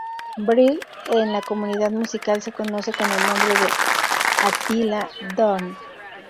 Brill en la comunidad musical se conoce con el nombre de Attila Dorn.